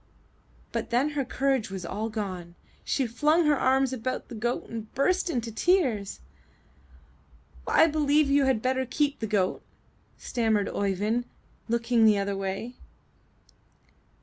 But then her courage was all gone; she flung her arms about the goat and burst into tears. ''I believe you had better keep the goat," stam mered Oeyvind, looking the other way.